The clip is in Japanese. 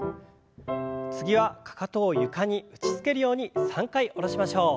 次はかかとを床に打ちつけるように３回下ろしましょう。